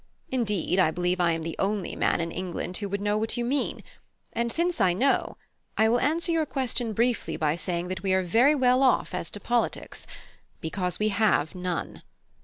Indeed, I believe I am the only man in England who would know what you mean; and since I know, I will answer your question briefly by saying that we are very well off as to politics, because we have none.